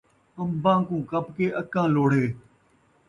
ان٘باں کوں کپ کے اَکاں لوڑھے